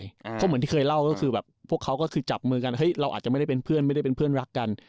เพราะเหมือนที่เคยเล่าก็คือแบบพวกเขาก็คือจับมือกันเฮ้ยเราอาจจะไม่ได้เป็นเพื่อนไม่ได้เป็นเพื่อนรักกัน